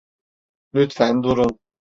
Lütfen durun!